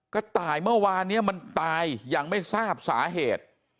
กระต่ายเมื่อวานนี้มันตายยังไม่ทราบสาเหตุ